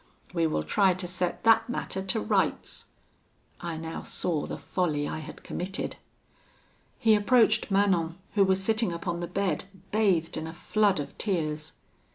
We will try to set that matter to rights.' "I now saw the folly I had committed. "He approached Manon, who was sitting upon the bed, bathed in a flood of tears.